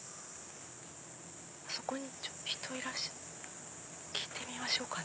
あそこに人いらっしゃる聞いてみましょうかね。